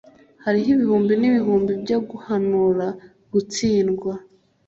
hariho ibihumbi n'ibihumbi byo guhanura gutsindwa